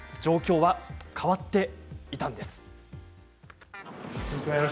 状況は変わっていたんです。